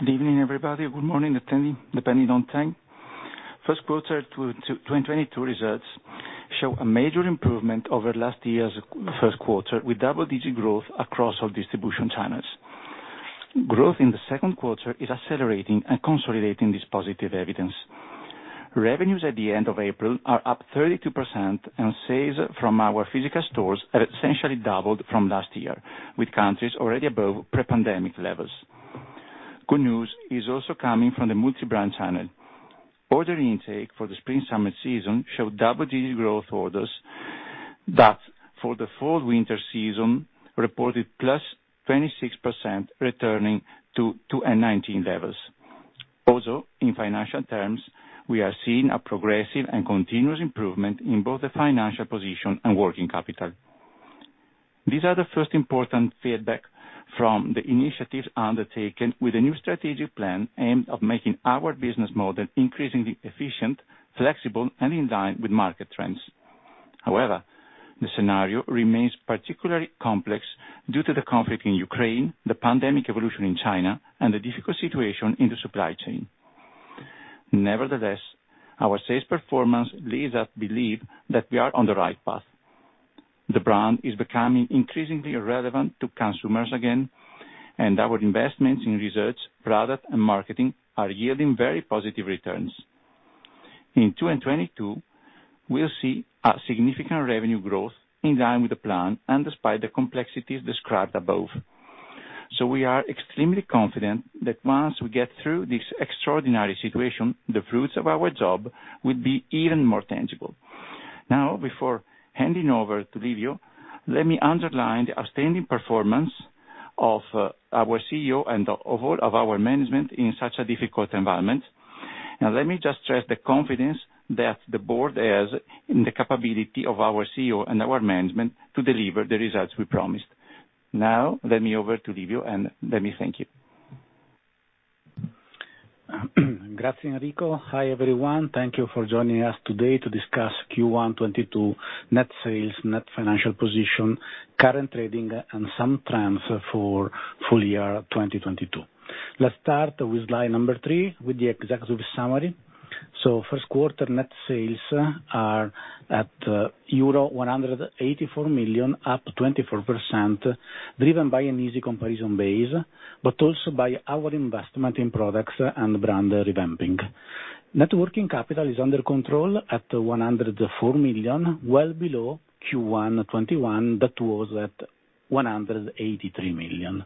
Good evening, everybody, or good morning, depending on time. First quarter 2022 results show a major improvement over last year's first quarter, with double-digit growth across all distribution channels. Growth in the second quarter is accelerating and consolidating this positive evidence. Revenues at the end of April are up 32%, and sales from our physical stores have essentially doubled from last year, with countries already above pre-pandemic levels. Good news is also coming from the multi-brand channel. Order intake for the spring/summer season showed double-digit growth orders that for the fall/winter season reported +26% returning to 2019 levels. Also, in financial terms, we are seeing a progressive and continuous improvement in both the financial position and working capital. These are the first important feedback from the initiatives undertaken with a new strategic plan aimed at making our business model increasingly efficient, flexible, and in line with market trends. However, the scenario remains particularly complex due to the conflict in Ukraine, the pandemic evolution in China, and the difficult situation in the supply chain. Nevertheless, our sales performance leads us to believe that we are on the right path. The brand is becoming increasingly relevant to consumers again, and our investments in research, product, and marketing are yielding very positive returns. In 2022, we'll see a significant revenue growth in line with the plan and despite the complexities described above. We are extremely confident that once we get through this extraordinary situation, the fruits of our job will be even more tangible. Now, before handing over to Livio, let me underline the outstanding performance of our CEO and of all of our management in such a difficult environment. Now, let me just stress the confidence that the board has in the capability of our CEO and our management to deliver the results we promised. Now, let me hand over to Livio, and let me thank you. Grazie, Enrico. Hi, everyone. Thank you for joining us today to discuss Q1 2022 net sales, net financial position, current trading, and some plans for full year 2022. Let's start with slide number three with the executive summary. First quarter net sales are at euro 184 million, up 24%, driven by an easy comparison base, but also by our investment in products and brand revamping. Net working capital is under control at 104 million, well below Q1 2021 that was at 183 million.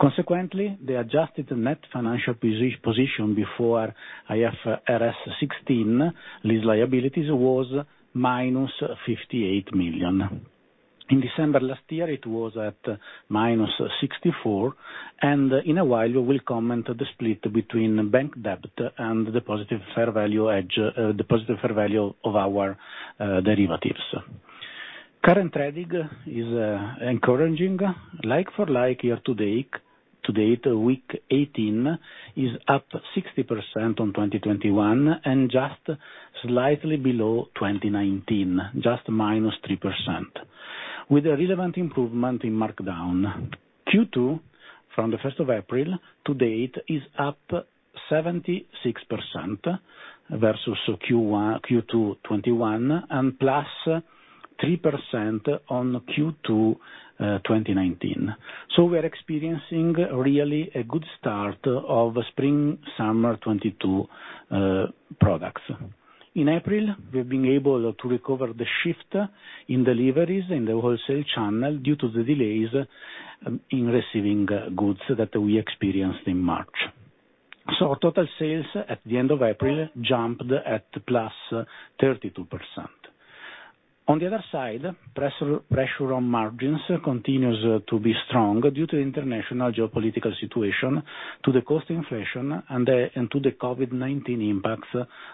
Consequently, the adjusted net financial position before IFRS 16 lease liabilities was -58 million. In December last year, it was at -64 million, and in a while, we will comment on the split between bank debt and the positive fair value hedge, the positive fair value of our derivatives. Current trading is encouraging. Like-for-like year to date week 18 is up 60% on 2021 and just slightly below 2019, just minus 3%, with a relevant improvement in markdown. Q2 from April 5th to date is up 76% versus Q2 2021 and +3% on Q2 2019. We're experiencing really a good start of spring/summer 2022 products. In April, we've been able to recover the shift in deliveries in the wholesale channel due to the delays in receiving goods that we experienced in March. Our total sales at the end of April jumped at +32%. On the other side, pressure on margins continues to be strong due to international geopolitical situation, to the cost inflation, and to the COVID-19 impact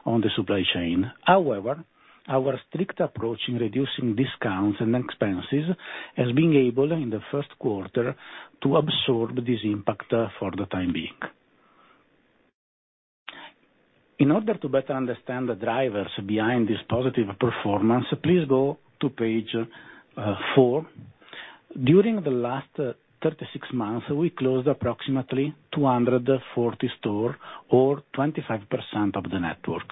on the supply chain. However, our strict approach in reducing discounts and expenses has been able, in the first quarter, to absorb this impact for the time being. In order to better understand the drivers behind this positive performance, please go to page four. During the last 36 months, we closed approximately 240 stores or 25% of the network.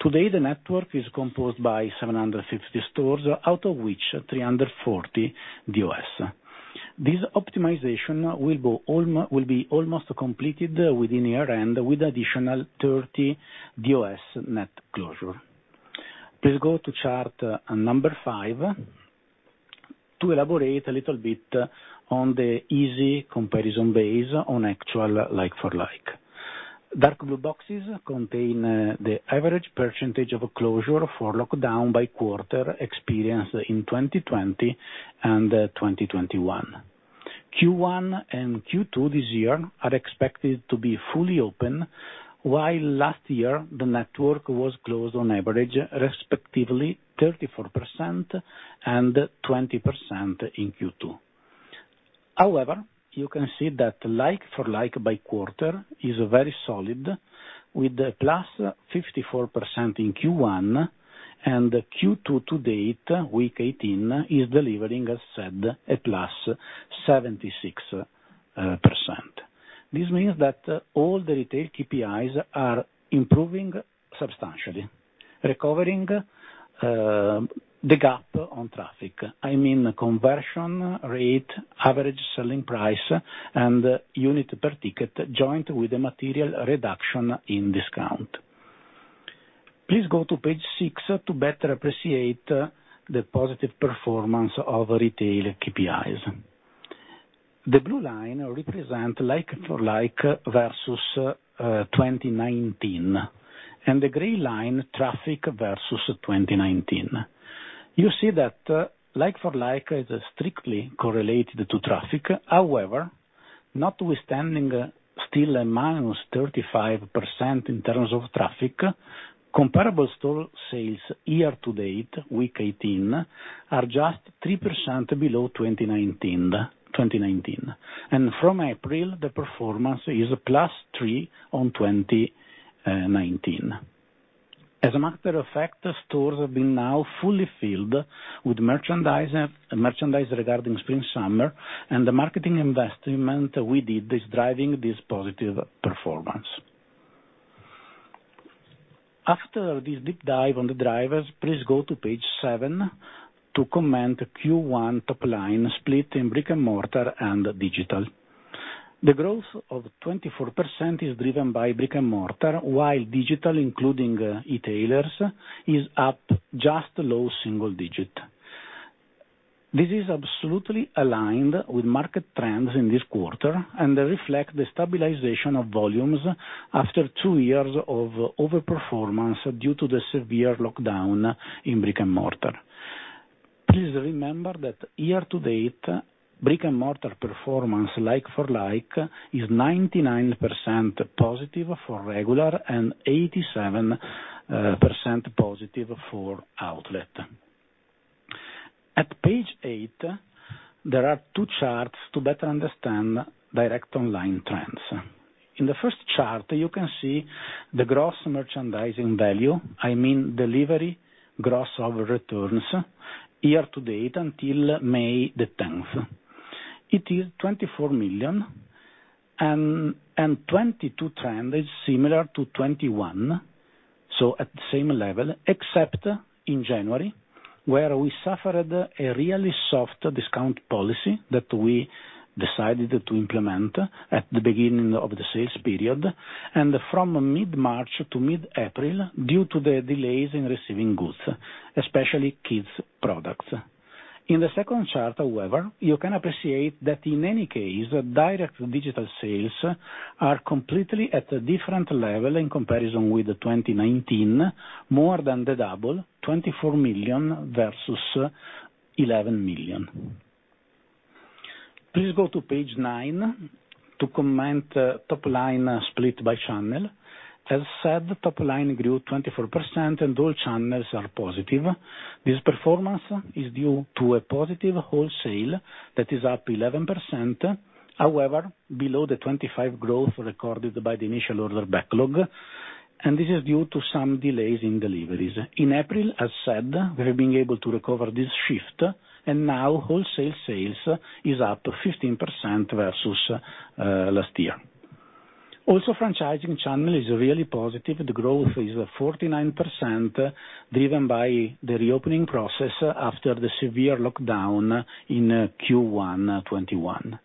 Today, the network is composed of 750 stores, out of which 340 DOS. This optimization will be almost completed within year-end with additional 30 DOS net closure. Please go to chart number five to elaborate a little bit on the easy comparison based on actual like-for-like. Dark blue boxes contain the average percentage of closure for lockdown by quarter experienced in 2020 and 2021. Q1 and Q2 this year are expected to be fully open, while last year the network was closed on average, respectively 34% and 20% in Q2. However, you can see that like-for-like by quarter is very solid with a +54% in Q1. And Q2 to date, week 18, is delivering, as said, a +76% percent. This means that all the retail KPIs are improving substantially, recovering the gap on traffic. I mean conversion rate, average selling price, and unit per ticket, joint with the material reduction in discount. Please go to page six to better appreciate the positive performance of retail KPIs. The blue line represent like-for-like versus 2019, and the gray line traffic versus 2019. You see that like-for-like is strictly correlated to traffic. However, notwithstanding still a -35% in terms of traffic, comparable store sales year to date, week 18, are just 3% below 2019. From April, the performance is +3% on 2019. As a matter of fact, the stores have been now fully filled with merchandise regarding spring/summer and the marketing investment we did is driving this positive performance. After this deep dive on the drivers, please go to page seven to comment Q1 top line split in brick and mortar and digital. The growth of 24% is driven by brick and mortar, while digital, including e-tailers, is up just low single digit. This is absolutely aligned with market trends in this quarter and reflect the stabilization of volumes after two years of overperformance due to the severe lockdown in brick and mortar. Please remember that year to date, brick-and-mortar performance, like-for-like, is 99% positive for regular and 87% positive for outlet. At page eight, there are two charts to better understand direct online trends. In the first chart, you can see the gross merchandise value, I mean delivery gross of returns year to date until May 10. It is EUR 24 million and 2022 trend is similar to 2021, so at the same level, except in January, where we suffered a really soft discount policy that we decided to implement at the beginning of the sales period, and from mid-March to mid-April, due to the delays in receiving goods, especially kids products. In the second chart, however, you can appreciate that in any case, direct digital sales are completely at a different level in comparison with 2019, more than double, 24 million versus 11 million. Please go to page nine to comment top line split by channel. As said, top line grew 24% and all channels are positive. This performance is due to a positive wholesale that is up 11%, however, below the 25% growth recorded by the initial order backlog, and this is due to some delays in deliveries. In April, as said, we have been able to recover this shift, and now wholesale sales is up 15% versus last year. Also, franchising channel is really positive. The growth is 49%, driven by the reopening process after the severe lockdown in Q1 2021.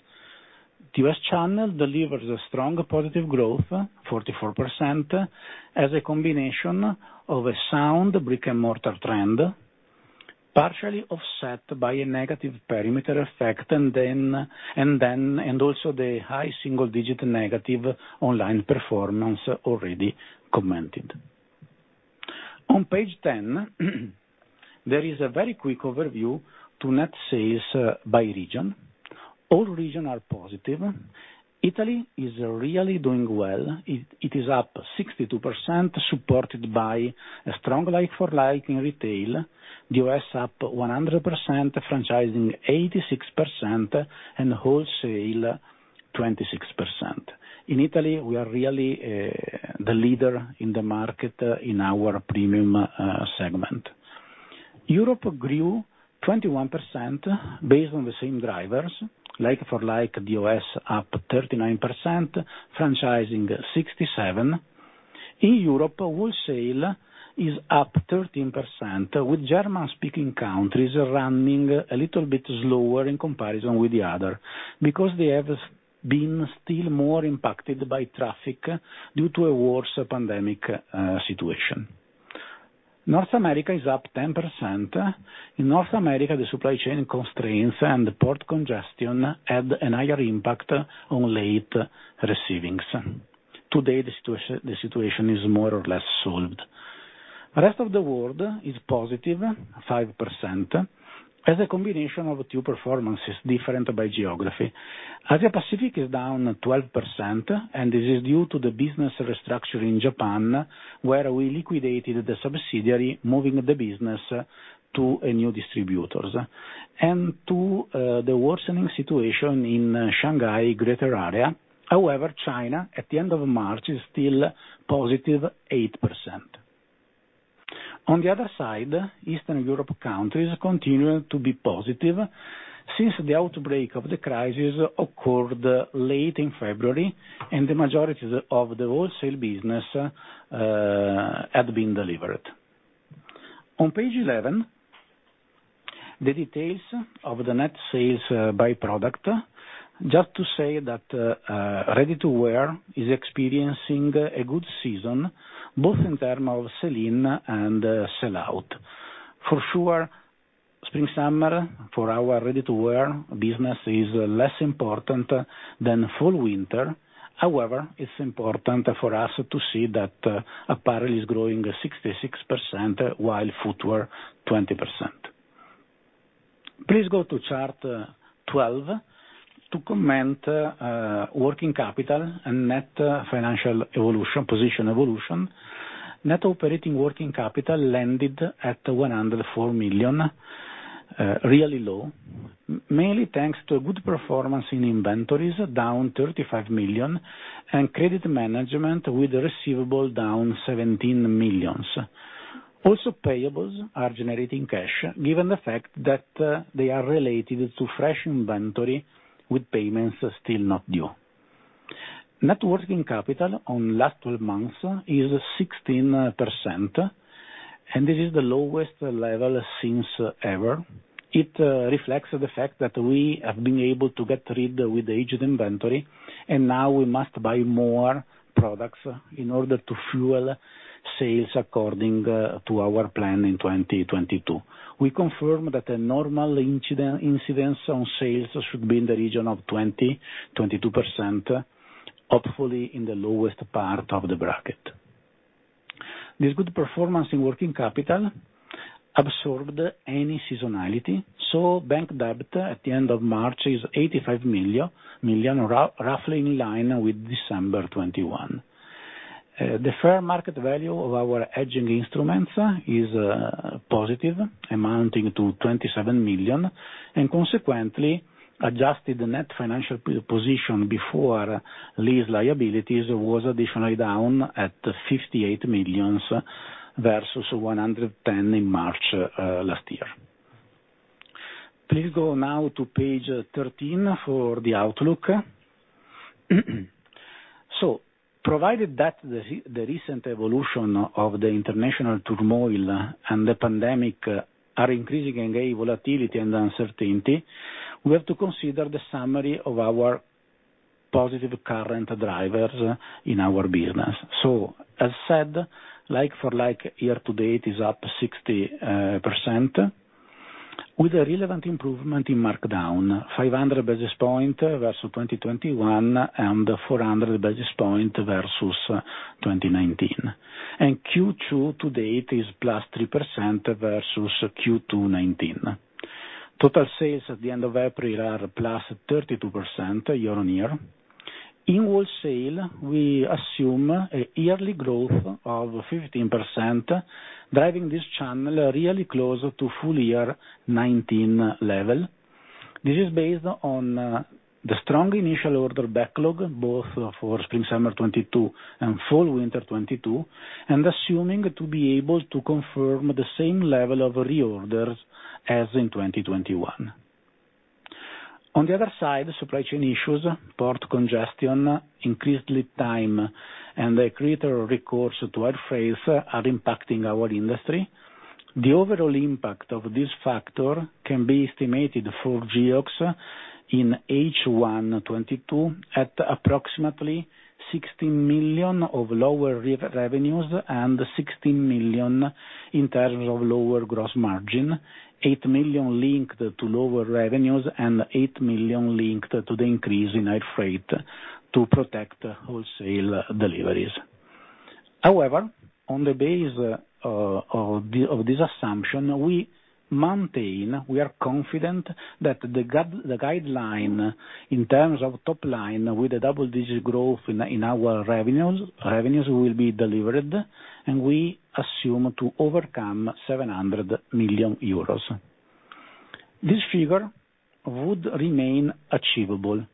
The U.S. channel delivers a strong positive growth, 44%, as a combination of a sound brick-and-mortar trend, partially offset by a negative perimeter effect, and also the high single-digit negative online performance already commented. On page 10, there is a very quick overview of net sales by region. All regions are positive. Italy is really doing well. It is up 62%, supported by a strong like-for-like in retail, U.S. up 100%, franchising 86%, and wholesale 26%. In Italy, we are really the leader in the market in our premium segment. Europe grew 21% based on the same drivers, like-for-like, the U.S. up 39%, franchising 67%. In Europe, wholesale is up 13%, with German-speaking countries running a little bit slower in comparison with the other because they have been still more impacted by traffic due to a worse pandemic situation. North America is up 10%. In North America, the supply chain constraints and the port congestion had a higher impact on late receivings. Today, the situation is more or less solved. The rest of the world is positive 5%. As a combination of two performances different by geography. Asia Pacific is down 12%, and this is due to the business restructure in Japan, where we liquidated the subsidiary, moving the business to a new distributors. The worsening situation in Shanghai greater area. However, China, at the end of March, is still positive 8%. Eastern Europe countries continue to be positive since the outbreak of the crisis occurred late in February, and the majority of the wholesale business had been delivered. On page 11, the details of the net sales by product. Just to say that ready-to-wear is experiencing a good season, both in terms of sell-in and sell-out. For sure, spring/summer for our ready-to-wear business is less important than fall/winter. However, it's important for us to see that apparel is growing 66%, while footwear 20%. Please go to chart 12 to comment working capital and net financial evolution, position evolution. Net operating working capital landed at 104 million, really low, mainly thanks to good performance in inventories, down 35 million, and credit management with receivables down 17 million. Also, payables are generating cash given the fact that they are related to fresh inventory with payments still not due. Net working capital on last twelve months is 16%, and this is the lowest level since ever. It reflects the fact that we have been able to get rid of aged inventory, and now we must buy more products in order to fuel sales according to our plan in 2022. We confirm that a normal incidence on sales should be in the region of 20%-22%, hopefully in the lowest part of the bracket. This good performance in working capital absorbed any seasonality, so bank debt at the end of March is 85 million, roughly in line with December 2021. The fair market value of our hedging instruments is positive, amounting to 27 million, and consequently adjusted net financial position before lease liabilities was additionally down at 58 million versus 110 million in March last year. Please go now to page 13 for the outlook. Provided that the recent evolution of the international turmoil and the pandemic are increasing in volatility and uncertainty, we have to consider the summary of our positive current drivers in our business. As said, like-for-like year to date is up 60% with a relevant improvement in markdown, 500 basis points versus 2021 and 400 basis points versus 2019. Q2 to date is +3% versus Q2 2019. Total sales at the end of April are +32% year-over-year. In wholesale, we assume a yearly growth of 15%, driving this channel really close to full year 2019 level. This is based on the strong initial order backlog both for spring/summer 2022 and fall/winter 2022 and assuming to be able to confirm the same level of reorders as in 2021. On the other side, supply chain issues, port congestion, increased lead time and a greater recourse to air freight are impacting our industry. The overall impact of this factor can be estimated for Geox in H1 2022 at approximately 16 million of lower revenues and 16 million in terms of lower gross margin, 8 million linked to lower revenues and 8 million linked to the increase in air freight to protect wholesale deliveries. However, on the basis of this assumption, we maintain we are confident that the guideline in terms of top line with a double-digit growth in our revenues will be delivered and we assume to overcome 700 million euros. This figure would remain achievable,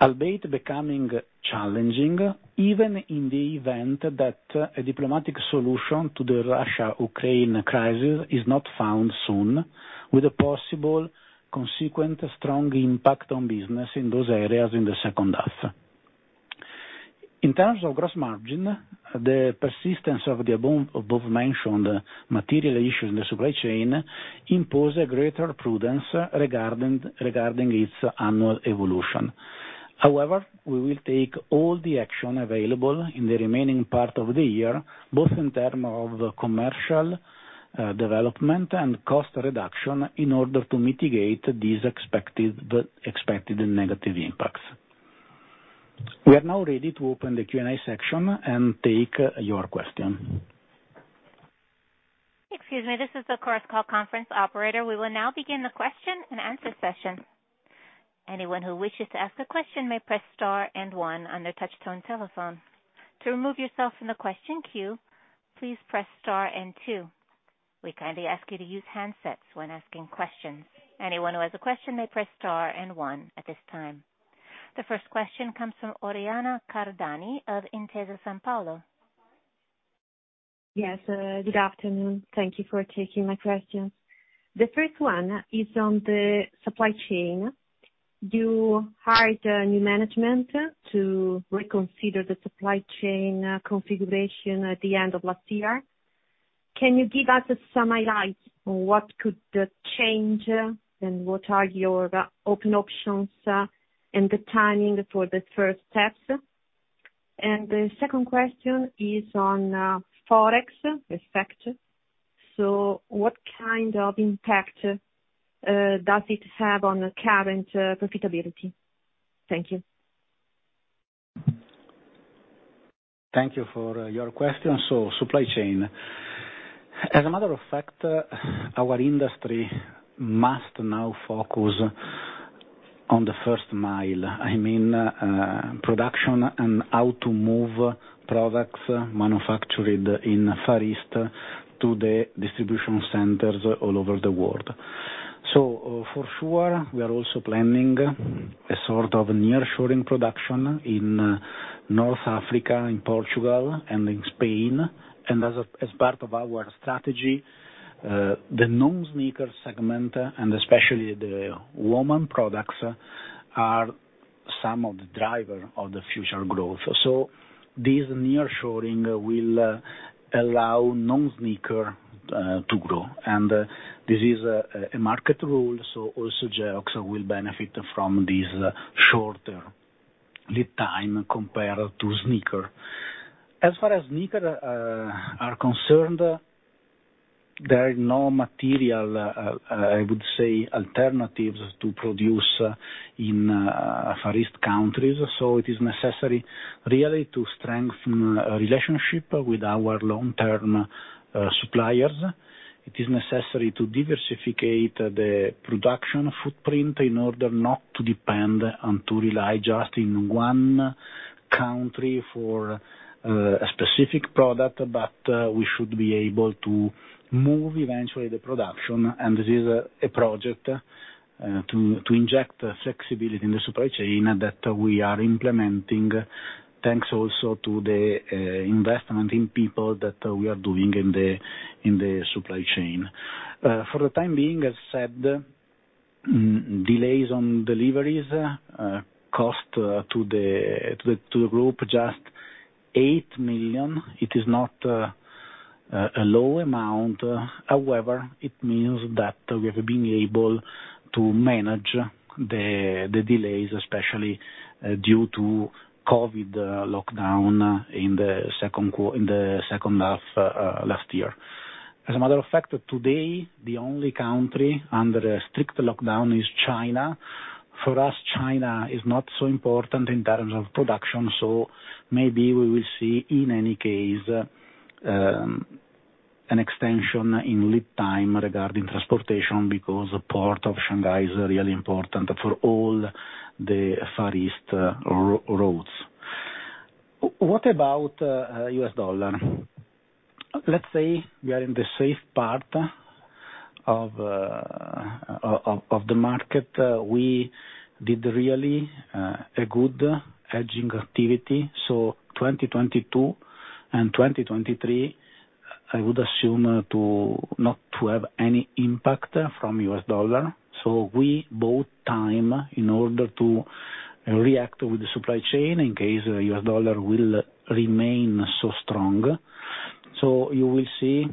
albeit becoming challenging even in the event that a diplomatic solution to the Russia-Ukraine crisis is not found soon, with a possible consequent strong impact on business in those areas in the second half. In terms of gross margin, the persistence of the above mentioned material issues in the supply chain impose a greater prudence regarding its annual evolution. However, we will take all the action available in the remaining part of the year, both in terms of commercial development and cost reduction in order to mitigate these expected negative impacts. We are now ready to open the Q&A section and take your question. Excuse me, this is the Chorus Call conference operator. We will now begin the question and answer session. Anyone who wishes to ask a question may press star and one on their touchtone telephone. To remove yourself from the question queue, please press star and two. We kindly ask you to use handsets when asking questions. Anyone who has a question may press star and one at this time. The first question comes from Oriana Cardani of Intesa Sanpaolo. Yes, good afternoon. Thank you for taking my questions. The first one is on the supply chain. You hired a new management to reconsider the supply chain configuration at the end of last year. Can you give us some highlight on what could change and what are your open options and the timing for the first steps? The second question is on Forex effect. So what kind of impact does it have on the current profitability? Thank you. Thank you for your questions. Supply chain. As a matter of fact, our industry must now focus on the first mile, I mean, production and how to move products manufactured in Far East to the distribution centers all over the world. For sure, we are also planning a sort of nearshoring production in North Africa, in Portugal and in Spain. As part of our strategy, the non-sneaker segment and especially the women products, are some of the drivers of the future growth. This nearshoring will allow non-sneaker to grow. This is a market rule, so also Geox will benefit from this shorter lead time compared to sneaker. As far as sneakers are concerned, there are no material alternatives to produce in Far East countries, so it is necessary really to strengthen relationship with our long-term suppliers. It is necessary to diversify the production footprint in order not to depend and to rely just in one country for a specific product, but we should be able to move eventually the production. This is a project to inject flexibility in the supply chain that we are implementing. Thanks also to the investment in people that we are doing in the supply chain. For the time being, as said, delays on deliveries cost to the group just 8 million. It is not a low amount. However, it means that we have been able to manage the delays, especially due to COVID lockdown in the second half last year. As a matter of fact, today, the only country under a strict lockdown is China. For us, China is not so important in terms of production, so maybe we will see, in any case, an extension in lead time regarding transportation because Port of Shanghai is really important for all the Far East roads. What about U.S. dollar? Let's say we are in the safe part of the market. We did really a good hedging activity. 2022 and 2023, I would assume to not to have any impact from US dollar. We bought time in order to react with the supply chain in case U.S. dollar will remain so strong. You will see.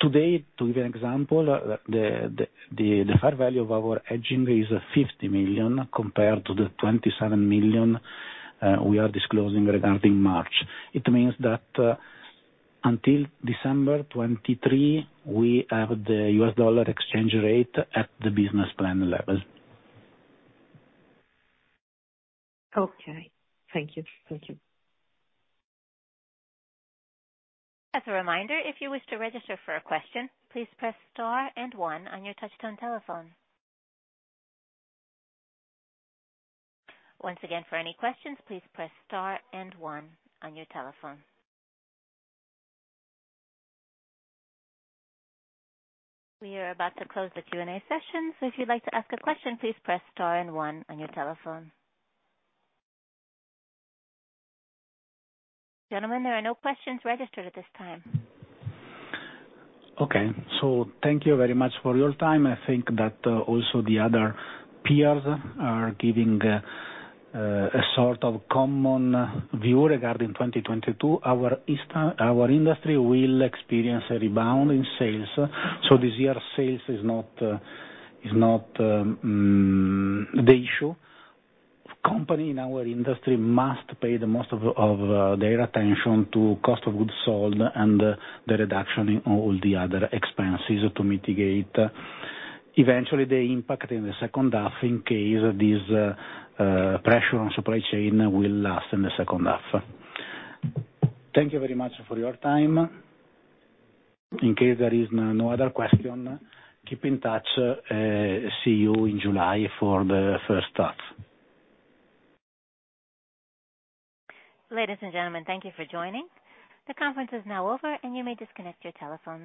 Today, to give you an example, the fair value of our hedging is 50 million compared to the 27 million we are disclosing regarding March. It means that until December 2023, we have the U.S. dollar exchange rate at the business plan levels. Okay. Thank you. Thank you. As a reminder, if you wish to register for a question, please press star and one on your touchtone telephone. Once again, for any questions, please press star and one on your telephone. We are about to close the Q&A session, so if you'd like to ask a question, please press star and one on your telephone. Gentlemen, there are no questions registered at this time. Okay. Thank you very much for your time. I think that also the other peers are giving a sort of common view regarding 2022. Our industry will experience a rebound in sales. This year, sales is not the issue. Companies in our industry must pay the most of their attention to cost of goods sold and the reduction in all the other expenses to mitigate. Eventually, they impact in the second half in case this pressure on supply chain will last in the second half. Thank you very much for your time. In case there is no other question, keep in touch. See you in July for the first half. Ladies and gentlemen, thank you for joining. The conference is now over and you may disconnect your telephones.